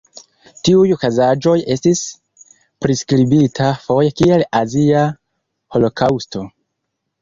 Tiuj okazaĵoj estis priskribita foje kiel Azia Holokaŭsto.